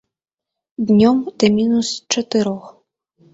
Днём да мінус чатырох.